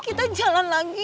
kita jalan lagi